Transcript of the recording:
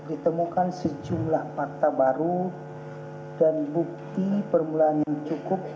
ditemukan sejumlah fakta baru dan bukti permulaan yang cukup